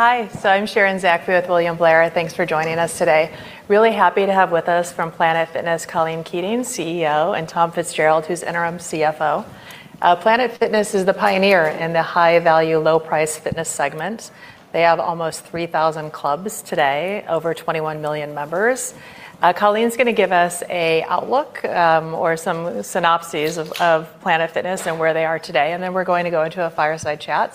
Hi. I'm Sharon Zackfia with William Blair. Thanks for joining us today. Really happy to have with us from Planet Fitness, Colleen Keating, CEO, and Tom Fitzgerald, who's interim CFO. Planet Fitness is the pioneer in the high-value, low-price fitness segment. They have almost 3,000 clubs today, over 21 million members. Colleen's going to give us a outlook or some synopses of Planet Fitness and where they are today, and then we're going to go into a fireside chat.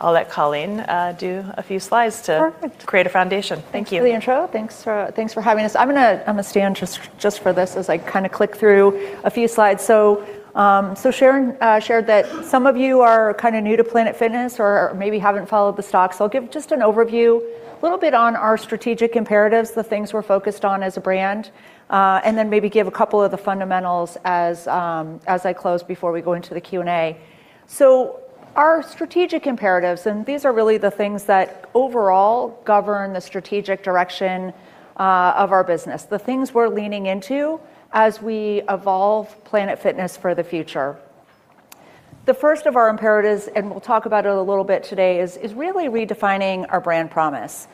I'll let Colleen do a few slides. Perfect. Create a foundation. Thank you. Thanks for the intro. Thanks for having us. I'm going to stand just for this as I click through a few slides. Sharon shared that some of you are kind of new to Planet Fitness or maybe haven't followed the stock, so I'll give just an overview, a little bit on our strategic imperatives, the things we're focused on as a brand, and then maybe give a couple of the fundamentals as I close before we go into the Q&A. Our strategic imperatives, and these are really the things that overall govern the strategic direction of our business, the things we're leaning into as we evolve Planet Fitness for the future. The first of our imperatives, and we'll talk about it a little bit today, is really redefining our brand promise.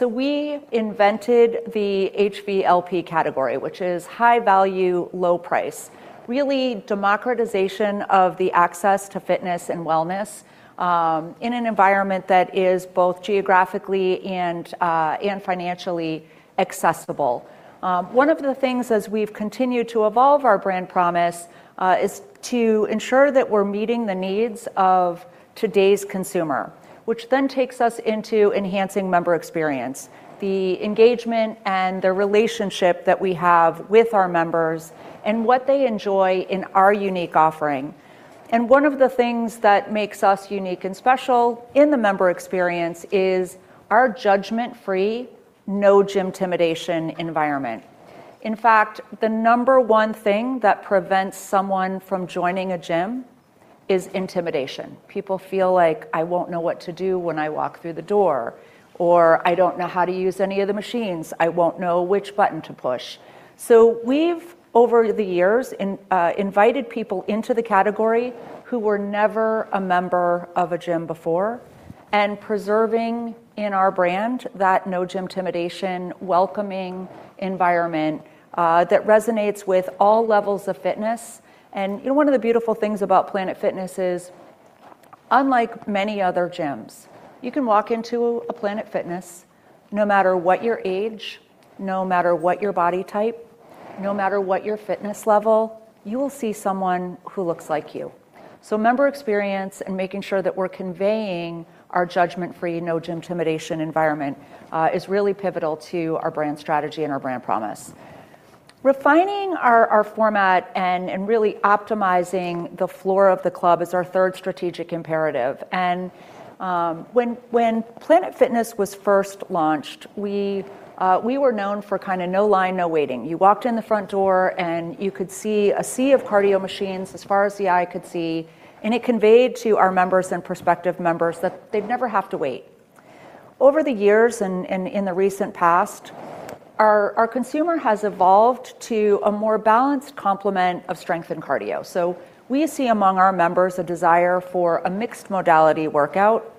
We invented the HVLP category, which is High-Value, Low-Price, really democratization of the access to fitness and wellness in an environment that is both geographically and financially accessible. One of the things, as we've continued to evolve our brand promise, is to ensure that we're meeting the needs of today's consumer, which then takes us into enhancing member experience, the engagement and the relationship that we have with our members and what they enjoy in our unique offering. One of the things that makes us unique and special in the member experience is our judgment-free, No Gymtimidation environment. In fact, the number one thing that prevents someone from joining a gym is intimidation. People feel like, I won't know what to do when I walk through the door, or, I don't know how to use any of the machines. I won't know which button to push. We've, over the years, invited people into the category who were never a member of a gym before and preserving in our brand that No Gymtimidation welcoming environment that resonates with all levels of fitness. One of the beautiful things about Planet Fitness is, unlike many other gyms, you can walk into a Planet Fitness, no matter what your age, no matter what your body type, no matter what your fitness level, you will see someone who looks like you. Member experience and making sure that we're conveying our judgment-free, No Gymtimidation environment is really pivotal to our brand strategy and our brand promise. Refining our format and really optimizing the floor of the club is our third strategic imperative. When Planet Fitness was first launched, we were known for no line, no waiting. You walked in the front door, and you could see a sea of cardio machines as far as the eye could see, and it conveyed to our members and prospective members that they'd never have to wait. Over the years and in the recent past, our consumer has evolved to a more balanced complement of strength and cardio. We see among our members a desire for a mixed modality workout.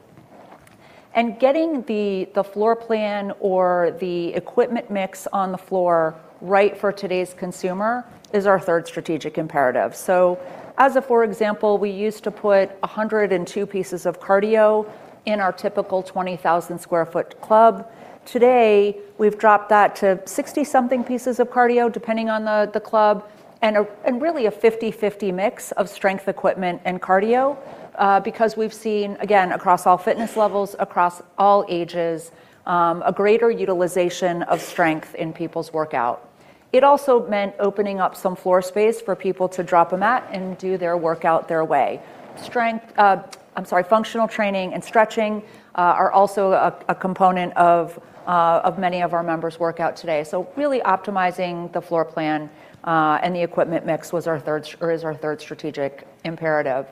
Getting the floor plan or the equipment mix on the floor right for today's consumer is our third strategic imperative. As for example, we used to put 102 pieces of cardio in our typical 20,000 square foot club. Today, we've dropped that to 60-something pieces of cardio, depending on the club, and really a 50/50 mix of strength equipment and cardio, because we've seen, again, across all fitness levels, across all ages, a greater utilization of strength in people's workout. It also meant opening up some floor space for people to drop a mat and do their workout their way. Functional training and stretching are also a component of many of our members' workout today. Really optimizing the floor plan and the equipment mix was our third strategic imperative.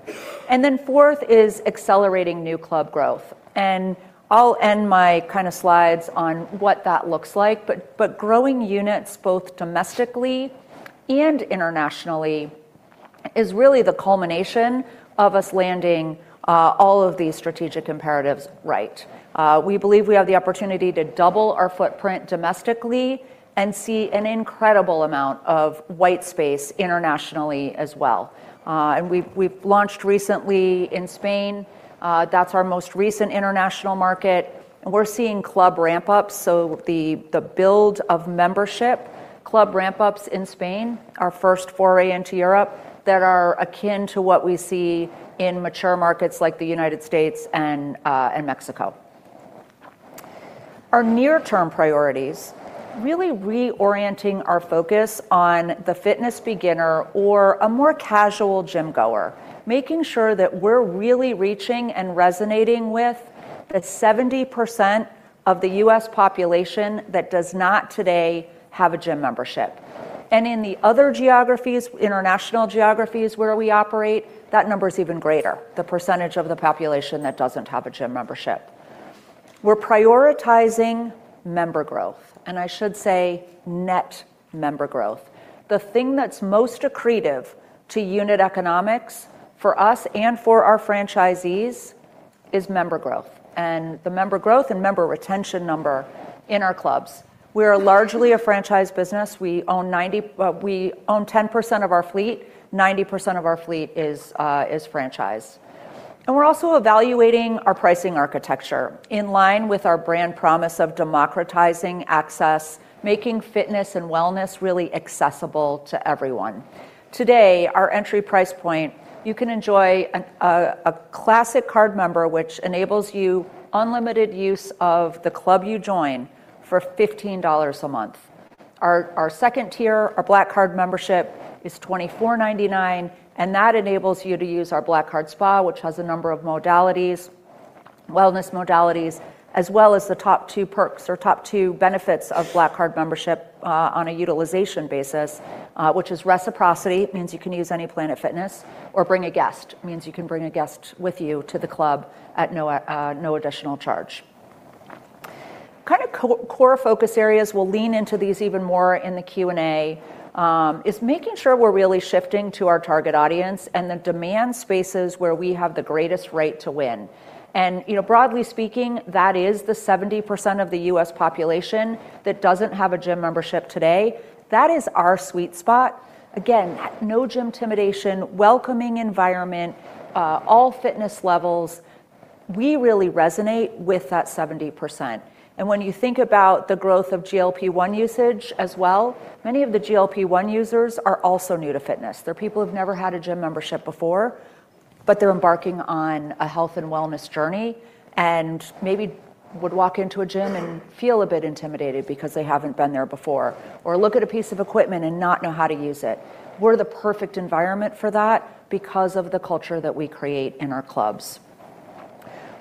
Fourth is accelerating new club growth. I'll end my kind of slides on what that looks like, but growing units both domestically and internationally is really the culmination of us landing all of these strategic imperatives right. We believe we have the opportunity to double our footprint domestically and see an incredible amount of white space internationally as well. We've launched recently in Spain. That's our most recent international market. We're seeing club ramp-ups, so the build of membership, club ramp-ups in Spain, our first foray into Europe, that are akin to what we see in mature markets like the United States and Mexico. Our near-term priorities, really reorienting our focus on the fitness beginner or a more casual gym-goer, making sure that we're really reaching and resonating with the 70% of the U.S. population that does not today have a gym membership. In the other geographies, international geographies where we operate, that number's even greater, the percentage of the population that doesn't have a gym membership. We're prioritizing member growth, and I should say net member growth. The thing that's most accretive to unit economics for us and for our franchisees is member growth and the member growth and member retention number in our clubs. We are largely a franchise business. We own 10% of our fleet, 90% of our fleet is franchise. We're also evaluating our pricing architecture in line with our brand promise of democratizing access, making fitness and wellness really accessible to everyone. Today, our entry price point, you can enjoy a Classic Card member, which enables you unlimited use of the club you join for $15 a month. Our second tier, our Black Card membership is $24.99. That enables you to use our Black Card Spa, which has a number of wellness modalities, as well as the top two perks or top two benefits of Black Card membership, on a utilization basis, which is reciprocity, means you can use any Planet Fitness or bring a guest, means you can bring a guest with you to the club at no additional charge. Kind of core focus areas, we'll lean into these even more in the Q&A, is making sure we're really shifting to our target audience and the demand spaces where we have the greatest rate to win. Broadly speaking, that is the 70% of the U.S. population that doesn't have a gym membership today. That is our sweet spot. Again, No Gymtimidation, welcoming environment, all fitness levels. We really resonate with that 70%. When you think about the growth of GLP-1 usage as well, many of the GLP-1 users are also new to fitness. They're people who've never had a gym membership before, but they're embarking on a health and wellness journey and maybe would walk into a gym and feel a bit intimidated because they haven't been there before, or look at a piece of equipment and not know how to use it. We're the perfect environment for that because of the culture that we create in our clubs.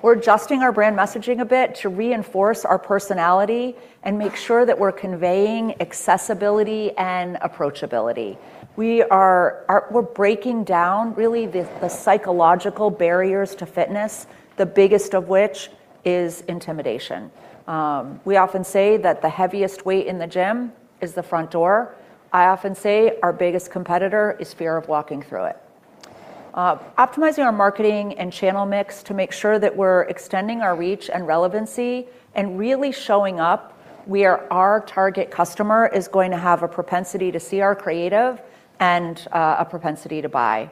We're adjusting our brand messaging a bit to reinforce our personality and make sure that we're conveying accessibility and approachability. We're breaking down, really, the psychological barriers to fitness, the biggest of which is intimidation. We often say that the heaviest weight in the gym is the front door. I often say our biggest competitor is fear of walking through it. Optimizing our marketing and channel mix to make sure that we're extending our reach and relevancy and really showing up where our target customer is going to have a propensity to see our creative and a propensity to buy.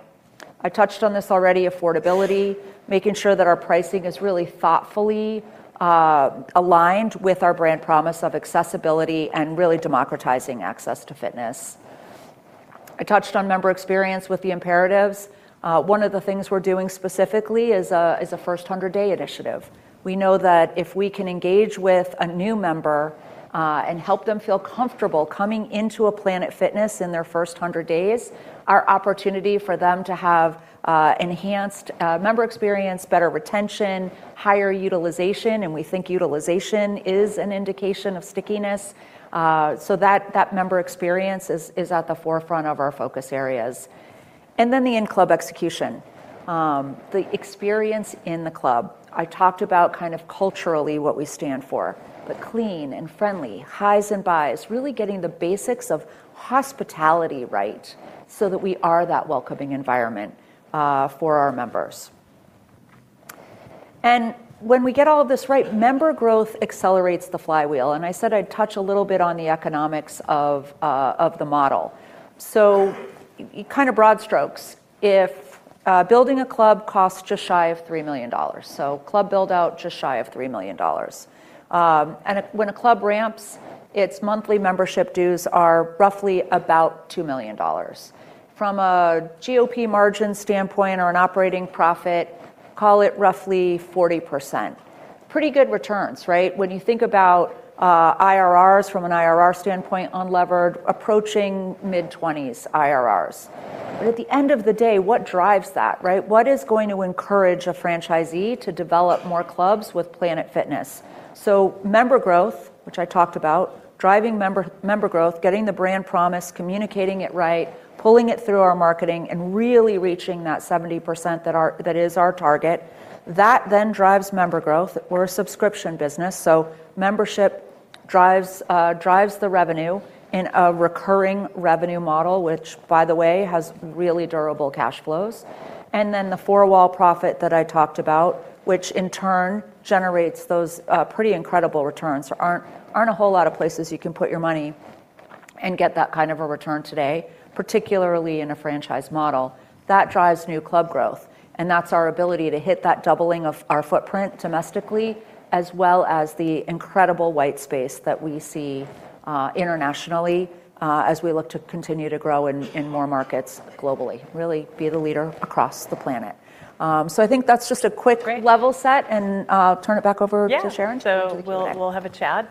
I touched on this already, affordability, making sure that our pricing is really thoughtfully aligned with our brand promise of accessibility and really democratizing access to fitness. I touched on member experience with the imperatives. One of the things we're doing specifically is a first 100-day initiative. We know that if we can engage with a new member, and help them feel comfortable coming into a Planet Fitness in their first 100 days, our opportunity for them to have enhanced member experience, better retention, higher utilization, and we think utilization is an indication of stickiness. That member experience is at the forefront of our focus areas. The in-club execution, the experience in the club. I talked about kind of culturally what we stand for, but clean and friendly, highs and lows, really getting the basics of hospitality right so that we are that welcoming environment for our members. When we get all of this right, member growth accelerates the flywheel. I said I'd touch a little bit on the economics of the model. Kind of broad strokes. If building a club costs just shy of $3 million. Club build-out, just shy of $3 million. When a club ramps, its monthly membership dues are roughly about $2 million. From a GOP margin standpoint or an operating profit, call it roughly 40%. Pretty good returns, right? When you think about IRRs from an IRR standpoint, unlevered, approaching mid-20s IRRs. At the end of the day, what drives that, right? What is going to encourage a franchisee to develop more clubs with Planet Fitness? Member growth, which I talked about, driving member growth, getting the brand promise, communicating it right, pulling it through our marketing, and really reaching that 70% that is our target. That then drives member growth. We're a subscription business, so membership drives the revenue in a recurring revenue model, which, by the way, has really durable cash flows. The four-wall profit that I talked about, which in turn generates those pretty incredible returns. There aren't a whole lot of places you can put your money and get that kind of a return today, particularly in a franchise model. That drives new club growth, that's our ability to hit that doubling of our footprint domestically, as well as the incredible white space that we see internationally, as we look to continue to grow in more markets globally, really be the leader across the planet. I think that's just a quick level set and I'll turn it back over to Sharon. Yeah. We'll have a chat.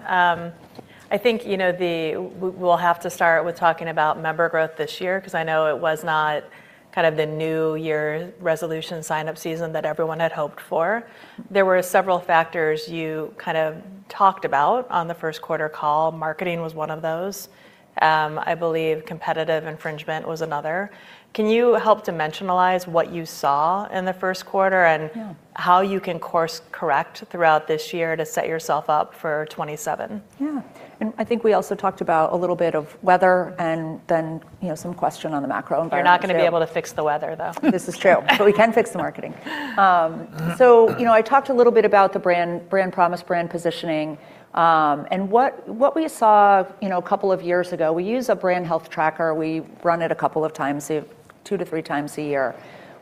I think we'll have to start with talking about member growth this year because I know it was not kind of the new year resolution sign-up season that everyone had hoped for. There were several factors you kind of talked about on the Q1 call. Marketing was one of those. I believe competitive infringement was another. Can you help dimensionalize what you saw in the Q1? Yeah. How you can course-correct throughout this year to set yourself up for 2027? Yeah. I think we also talked about a little bit of weather and then some question on the macro environment too. You're not going to be able to fix the weather, though. This is true. We can fix the marketing. I talked a little bit about the brand promise, brand positioning, and what we saw a couple of years ago. We use a brand health tracker. We run it a couple of times, 2x-3x a year.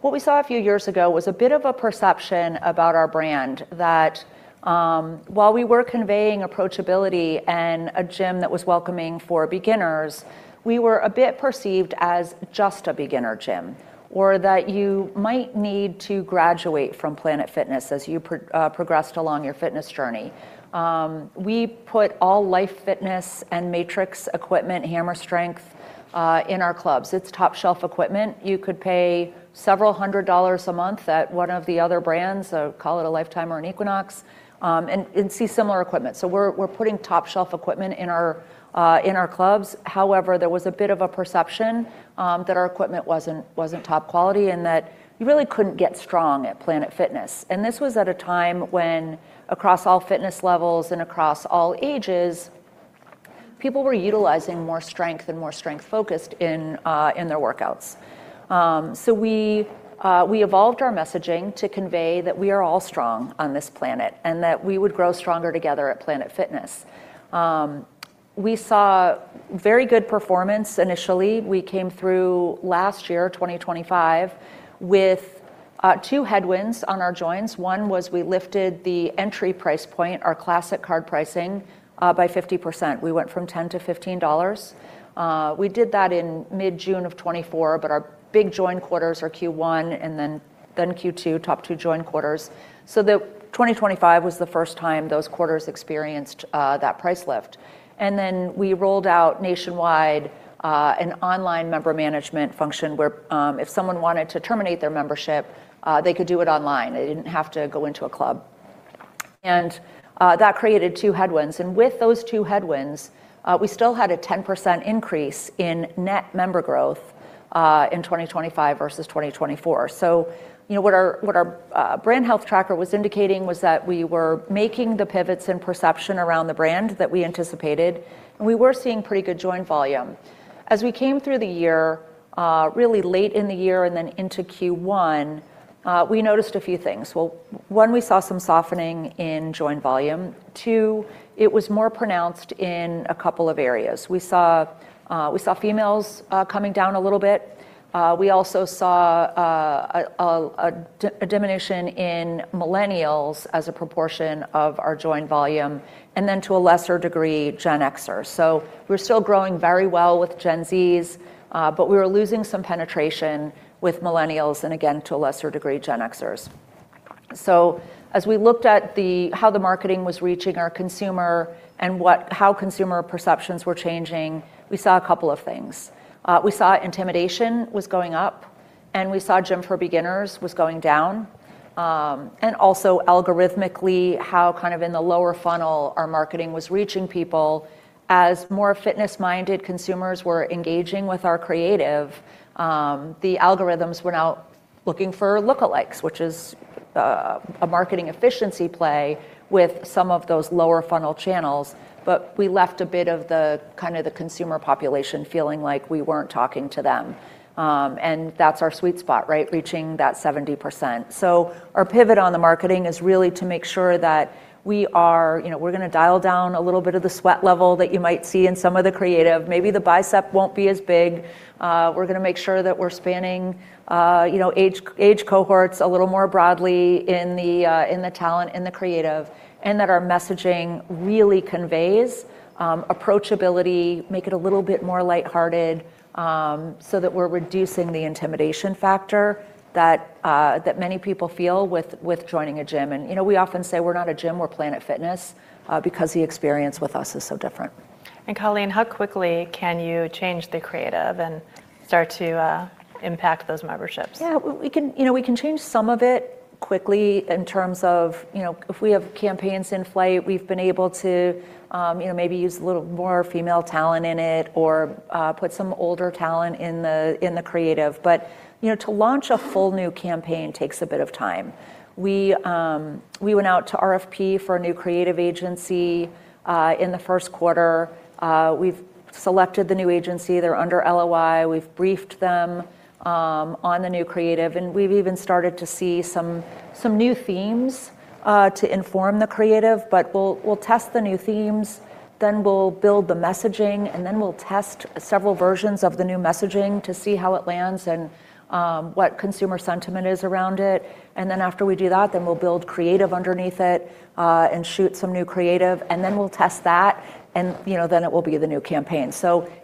What we saw a few years ago was a bit of a perception about our brand that, while we were conveying approachability and a gym that was welcoming for beginners, we were a bit perceived as just a beginner gym, or that you might need to graduate from Planet Fitness as you progressed along your fitness journey. We put all Life Fitness and Matrix equipment, Hammer Strength, in our clubs. It's top-shelf equipment. You could pay several hundred dollars a month at one of the other brands, call it a Life Time or an Equinox, and see similar equipment. We're putting top-shelf equipment in our clubs. However, there was a bit of a perception that our equipment wasn't top quality and that you really couldn't get strong at Planet Fitness. This was at a time when, across all fitness levels and across all ages, people were utilizing more strength and more strength-focused in their workouts. We evolved our messaging to convey that we are all strong on this planet and that we would grow stronger together at Planet Fitness. We saw very good performance initially. We came through last year, 2025, with two headwinds on our joins. One was we lifted the entry price point, our Classic card pricing, by 50%. We went from $10 to $15. We did that in mid-June of 2024. Our big join quarters are Q1 and then Q2, top two join quarters. The 2025 was the first time those quarters experienced that price lift. We rolled out nationwide an online member management function where, if someone wanted to terminate their membership, they could do it online. They didn't have to go into a club. That created two headwinds, and with those two headwinds, we still had a 10% increase in net member growth, in 2025 versus 2024. What our brand health tracker was indicating was that we were making the pivots and perception around the brand that we anticipated, and we were seeing pretty good join volume. As we came through the year, really late in the year and then into Q1, we noticed a few things. One, we saw some softening in join volume. Two, it was more pronounced in a couple of areas. We saw females coming down a little bit. We also saw a diminution in Millennials as a proportion of our join volume, and then to a lesser degree, Gen Xers. We're still growing very well with Gen Zs, but we were losing some penetration with Millennials, and again, to a lesser degree, Gen Xers. As we looked at how the marketing was reaching our consumer and how consumer perceptions were changing, we saw a couple of things. We saw intimidation was going up, and we saw gym for beginners was going down. Also algorithmically, how kind of in the lower funnel our marketing was reaching people. As more fitness-minded consumers were engaging with our creative, the algorithms were now looking for lookalikes, which is a marketing efficiency play with some of those lower funnel channels. We left a bit of the consumer population feeling like we weren't talking to them. That's our sweet spot, right? Reaching that 70%. Our pivot on the marketing is really to make sure that we're, you know, going to dial down a little bit of the sweat level that you might see in some of the creative. Maybe the bicep won't be as big. We're going to make sure that we're spanning age cohorts a little more broadly in the talent and the creative, and that our messaging really conveys approachability, make it a little bit more lighthearted, so that we're reducing the intimidation factor that many people feel with joining a gym. We often say we're not a gym, we're Planet Fitness, because the experience with us is so different. Colleen, how quickly can you change the creative and start to impact those memberships? Yeah, we can change some of it quickly in terms of, if we have campaigns in flight, we've been able to maybe use a little more female talent in it or put some older talent in the creative. To launch a full new campaign takes a bit of time. We went out to RFP for a new creative agency, in the Q1. We've selected the new agency. They're under LOI. We've briefed them on the new creative, and we've even started to see some new themes to inform the creative. We'll test the new themes, we'll build the messaging, we'll test several versions of the new messaging to see how it lands and what consumer sentiment is around it. After we do that, then we'll build creative underneath it, and shoot some new creative, and then we'll test that and then it will be the new campaign.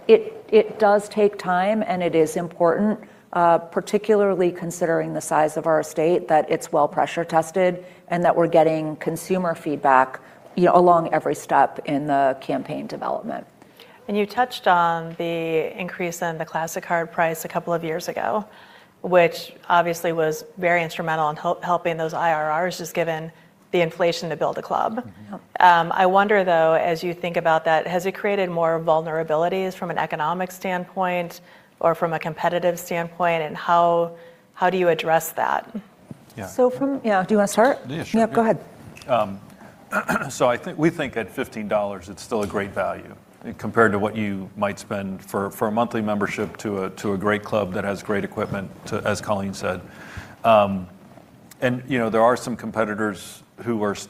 It does take time, and it is important, particularly considering the size of our estate, that it's well pressure-tested and that we're getting consumer feedback along every step in the campaign development. You touched on the increase in the Classic Membership price a couple of years ago, which obviously was very instrumental in helping those IRRs, just given the inflation to build a club. Yep. I wonder, though, as you think about that, has it created more vulnerabilities from an economic standpoint or from a competitive standpoint, and how do you address that? Yeah. From... Yeah, do you want to start? Yeah, sure. Yeah, go ahead. I think we think at $15 it's still a great value compared to what you might spend for a monthly membership to a great club that has great equipment, as Colleen said. There are some competitors whose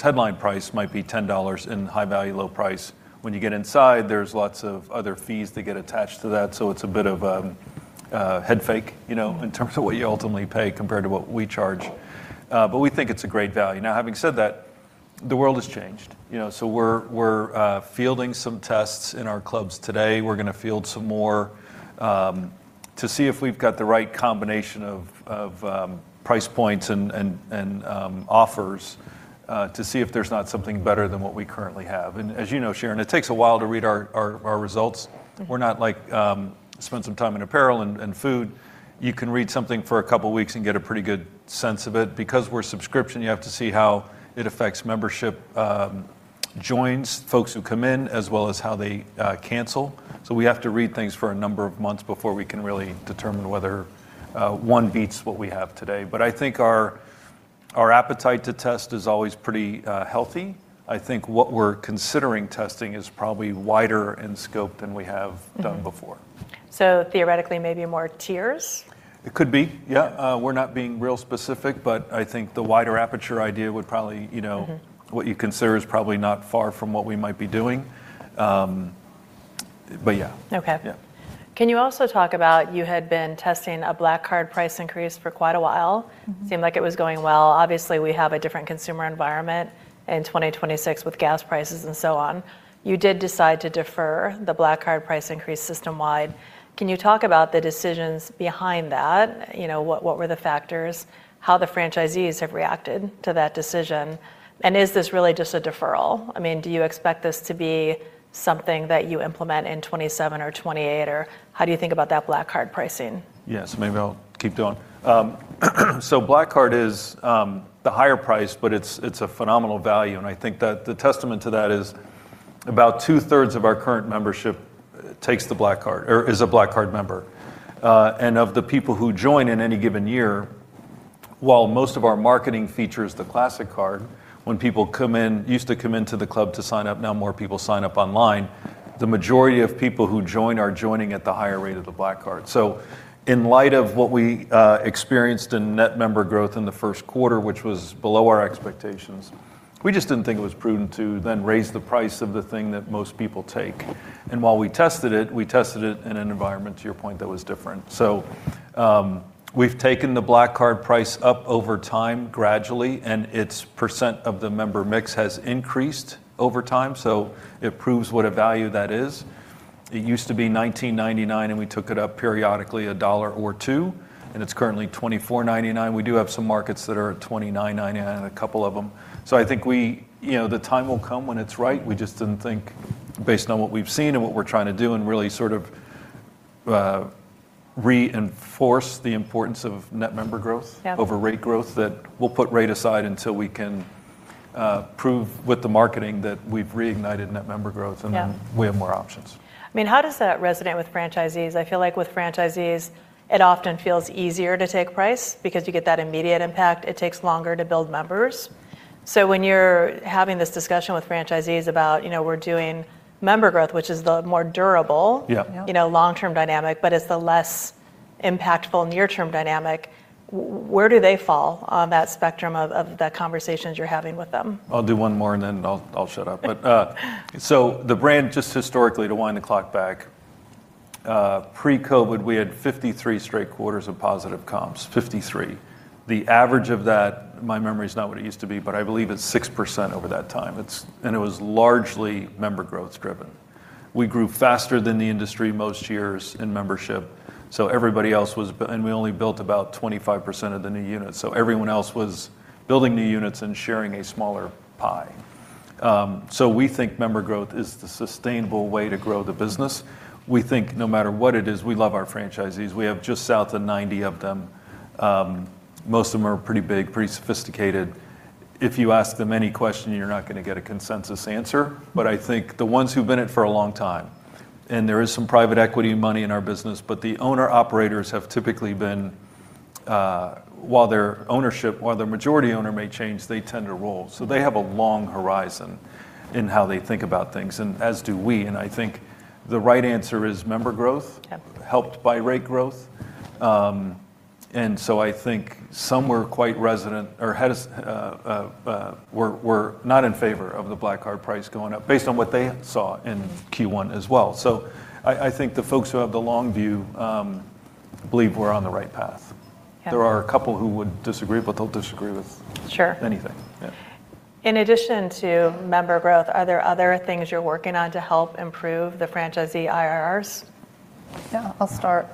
headline price might be $10 in High-Value, Low-Price. When you get inside, there's lots of other fees that get attached to that, so it's a bit of a head fake in terms of what you ultimately pay compared to what we charge. We think it's a great value. Now, having said that, the world has changed. We're fielding some tests in our clubs today. We're going to field some more to see if we've got the right combination of price points and offers to see if there's not something better than what we currently have. As you know, Sharon, it takes a while to read our results. We're not like, spend some time in apparel and food, you can read something for a couple of weeks and get a pretty good sense of it. Because we're a subscription, you have to see how it affects membership joins, folks who come in, as well as how they cancel. We have to read things for a number of months before we can really determine whether one beats what we have today. I think our appetite to test is always pretty healthy. I think what we're considering testing is probably wider in scope than we have done before. Theoretically, maybe more tiers? It could be, yeah. We're not being real specific, but I think the wider aperture idea would probably, you know, what you consider is probably not far from what we might be doing. Yeah. Okay. Yeah. Can you also talk about, you had been testing a Black Card price increase for quite a while? Seemed like it was going well. Obviously, we have a different consumer environment in 2026 with gas prices and so on. You did decide to defer the Black Card price increase system-wide. Can you talk about the decisions behind that? What were the factors? How the franchisees have reacted to that decision, and is this really just a deferral? Do you expect this to be something that you implement in 2027 or 2028? Or how do you think about that Black Card pricing? Yes. Maybe I'll keep going. Black Card is the higher price, but it's a phenomenal value, and I think that the testament to that is about two-thirds of our current membership takes the Black Card, or is a Black Card member. Of the people who join in any given year, while most of our marketing features the Classic card, when people used to come into the club to sign up, now more people sign up online, the majority of people who join are joining at the higher rate of the Black Card. In light of what we experienced in net member growth in the Q1, which was below our expectations, we just didn't think it was prudent to then raise the price of the thing that most people take. While we tested it, we tested it in an environment, to your point, that was different. We've taken the Black Card price up over time gradually, and its percent of the member mix has increased over time. It proves what a value that is. It used to be $19.99, and we took it up periodically $1 or $2, and it's currently $24.99. We do have some markets that are at $29.99, a couple of them. I think the time will come when it's right. We just didn't think, based on what we've seen and what we're trying to do and really sort of reinforce the importance of net member growth. Yeah. Over rate growth, that we'll put rate aside until we can prove with the marketing that we've reignited net member growth. Yeah. Then we have more options. How does that resonate with franchisees? I feel like with franchisees, it often feels easier to take price because you get that immediate impact. It takes longer to build members. When you're having this discussion with franchisees about, we're doing member growth, which is the more durable. Yeah. Long-term dynamic, but it's the less impactful near-term dynamic, where do they fall on that spectrum of the conversations you're having with them? I'll do one more, and then I'll shut up. The brand, just historically, to wind the clock back, pre-COVID, we had 53 straight quarters of positive comps. 53. The average of that, my memory's not what it used to be, but I believe it's 6% over that time. It was largely member growth-driven. We grew faster than the industry most years in membership. We only built about 25% of the new units, so everyone else was building new units and sharing a smaller pie. We think member growth is the sustainable way to grow the business. We think no matter what it is, we love our franchisees. We have just south of 90 of them. Most of them are pretty big, pretty sophisticated. If you ask them any question, you're not going to get a consensus answer. I think the ones who've been in it for a long time, and there is some private equity money in our business, but the owner/operators have typically been, while their majority owner may change, they tend to roll. They have a long horizon in how they think about things, and as do we, and I think the right answer is member growth. Yeah. Helped by rate growth. I think some were quite resonant or were not in favor of the Black Card price going up based on what they saw in Q1 as well. I think the folks who have the long view believe we're on the right path. Yeah. There are a couple who would disagree, but they'll disagree with. Sure. Anything. Yeah. In addition to member growth, are there other things you're working on to help improve the franchisee IRRs? Yeah, I'll start.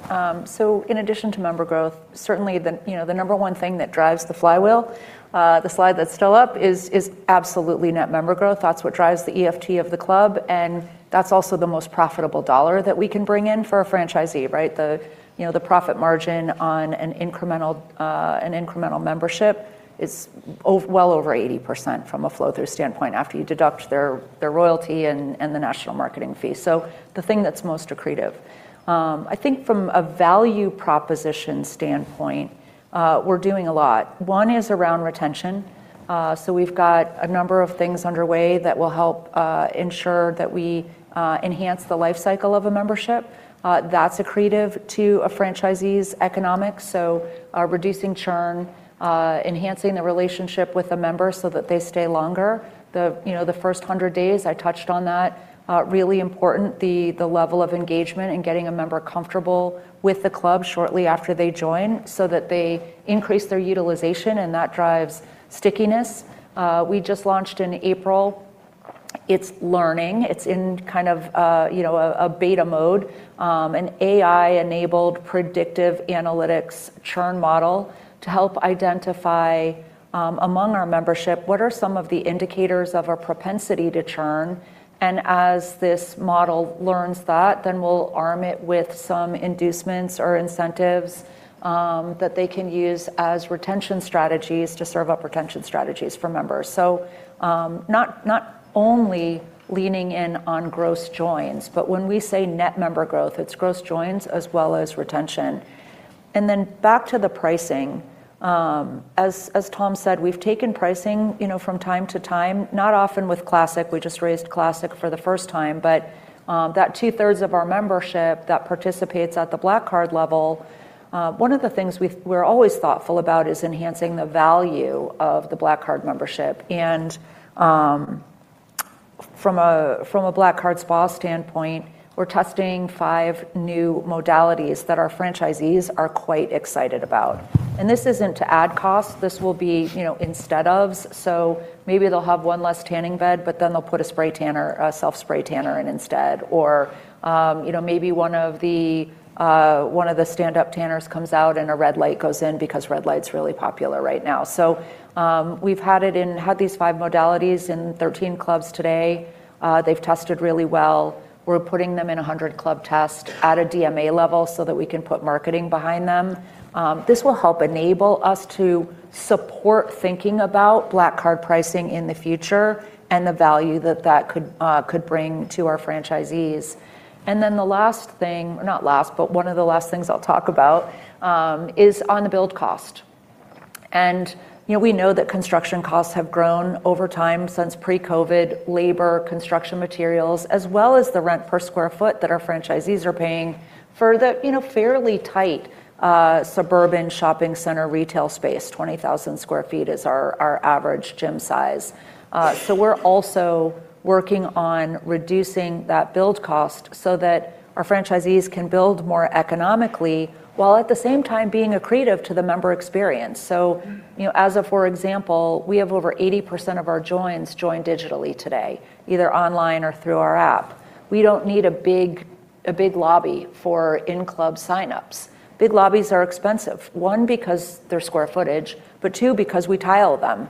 In addition to member growth, certainly, the number one thing that drives the flywheel, the slide that's still up, is absolutely net member growth. That's what drives the EFT of the club, and that's also the most profitable dollar that we can bring in for a franchisee, right? The profit margin on an incremental membership is well over 80% from a flow-through standpoint after you deduct their royalty and the national marketing fee. The thing that's most accretive. I think from a value proposition standpoint. We're doing a lot. One is around retention. We've got a number of things underway that will help ensure that we enhance the life cycle of a membership. That's accretive to a franchisee's economics, so reducing churn, enhancing the relationship with a member so that they stay longer. The first 100 days, I touched on that, really important, the level of engagement and getting a member comfortable with the club shortly after they join so that they increase their utilization, and that drives stickiness. We just launched in April, it's learning, it's in a beta mode, an AI-enabled predictive analytics churn model to help identify among our membership what are some of the indicators of a propensity to churn. As this model learns that, we'll arm it with some inducements or incentives that they can use as retention strategies to serve up retention strategies for members. Not only leaning in on gross joins, but when we say net member growth, it's gross joins as well as retention. Back to the pricing. As Tom said, we've taken pricing from time to time, not often with Classic. We just raised Classic for the first time. That two-thirds of our membership that participates at the Black Card level, one of the things we're always thoughtful about is enhancing the value of the Black Card membership. From a Black Card Spa standpoint, we're testing five new modalities that our franchisees are quite excited about. This isn't to add cost, this will be instead of, maybe they'll have one less tanning bed, they'll put a self-spray tanner in instead. Maybe one of the stand-up tanners comes out a red light goes in because red light's really popular right now. We've had these five modalities in 13 clubs today. They've tested really well. We're putting them in a 100-club test at a DMA level so that we can put marketing behind them. This will help enable us to support thinking about Black Card pricing in the future and the value that that could bring to our franchisees. Then the last thing, or not last, but one of the last things I'll talk about, is on the build cost. We know that construction costs have grown over time since pre-COVID, labor, construction materials, as well as the rent per square foot that our franchisees are paying for the fairly tight suburban shopping center retail space. 20,000 square feet is our average gym size. We're also working on reducing that build cost so that our franchisees can build more economically while at the same time being accretive to the member experience. As of, for example, we have over 80% of our joins join digitally today, either online or through our app. We don't need a big lobby for in-club sign-ups. Big lobbies are expensive, one, because they're square footage, but two, because we tile them.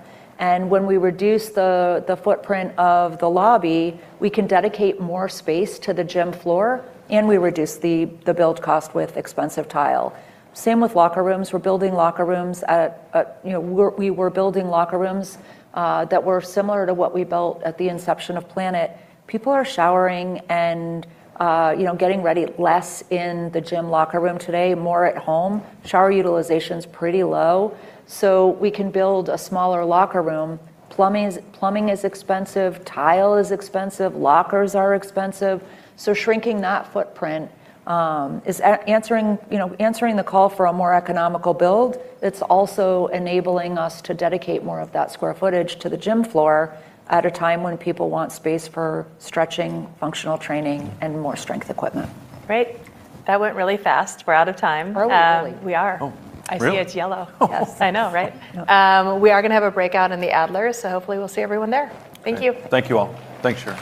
When we reduce the footprint of the lobby, we can dedicate more space to the gym floor, and we reduce the build cost with expensive tile. Same with locker rooms. We were building locker rooms that were similar to what we built at the inception of Planet. People are showering and getting ready less in the gym locker room today, more at home. Shower utilization's pretty low, so we can build a smaller locker room. Plumbing is expensive, tile is expensive, lockers are expensive. Shrinking that footprint is answering the call for a more economical build. It's also enabling us to dedicate more of that square footage to the gym floor at a time when people want space for stretching, functional training, and more strength equipment. Great. That went really fast. We're out of time. Early. We are. Oh, really? I see it's yellow. Yes. I know, right? We are going to have a breakout in the Adler, so hopefully we'll see everyone there. Thank you. Thank you, all. Thanks, Sharon.